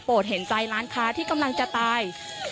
เห็นใจร้านค้าที่กำลังจะตาย